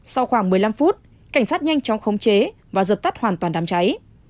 sau khoảng một mươi năm phút cảnh sát nhanh chóng khống chế và dập tắt hoàn toàn đám cháy